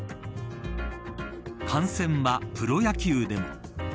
感染はプロ野球でも。